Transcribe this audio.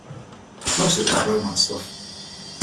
Most of it was the romance stuff.